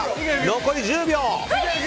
残り１０秒！